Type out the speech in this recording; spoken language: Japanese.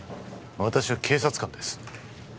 私は警察官です